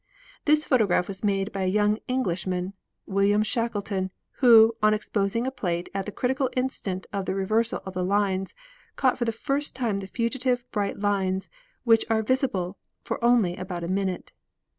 This photograph was made by a young Englishman, William Shackleton, who, on exposing a plate at the critical instant of the reversal of the lines, caught for the first time the fugitive bright lines which are vis ible for only about a minute.